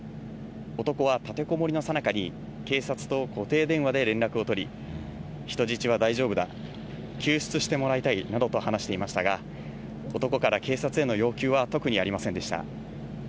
男は立てこもりのさなかに、警察と固定電話で連絡を取り、人質は大丈夫だ、救出してもらいたいなどと話していましたが、男から警察への要求は特にありませんでした。